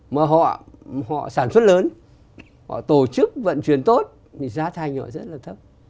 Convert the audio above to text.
mà họ sản xuất lớn họ tổ chức vận chuyển tốt thì giá thành họ rất là thấp